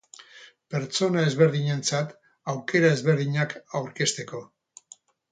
Pertsona ezberdinentzat aukera ezberdinak aurkezteko.